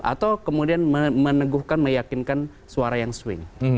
atau kemudian meneguhkan meyakinkan suara yang swing